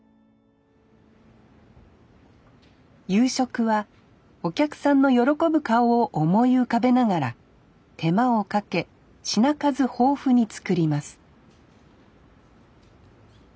夕食はお客さんの喜ぶ顔を思い浮かべながら手間をかけ品数豊富に作ります